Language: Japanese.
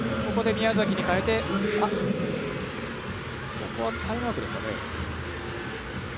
ここはタイムアウトですかね。